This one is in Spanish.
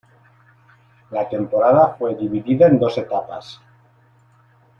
La temporada fue dividida en dos etapas.